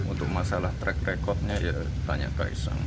untuk masalah track recordnya ya tanya kaisang